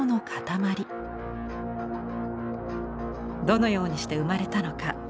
どのようにして生まれたのか。